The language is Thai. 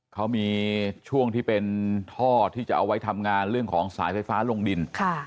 เขามีช่วงที่เป็นท่อที่จะเอาไว้ทำงานเรื่องของสายไฟฟ้าลงดิน